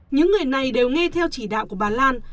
những người này đều nghe theo chỉ đạo của bà lan